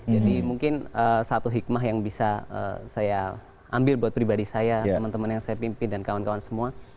jadi mungkin satu hikmah yang bisa saya ambil buat pribadi saya teman teman yang saya pimpin dan kawan kawan semua